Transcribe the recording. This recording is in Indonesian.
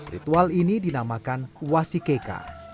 ritual ini dinamakan wasikeka